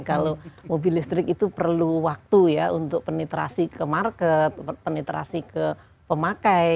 kalau mobil listrik itu perlu waktu ya untuk penetrasi ke market penetrasi ke pemakai